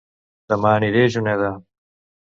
Dema aniré a Juneda